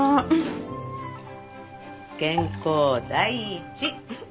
健康第一！